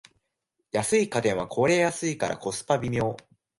安い家電は壊れやすいからコスパ微妙